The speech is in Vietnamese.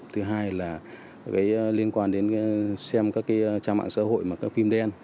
thứ hai là liên quan đến xem các trang mạng xã hội mà các phim đen